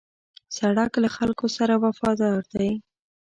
سړک له خلکو سره وفادار دی.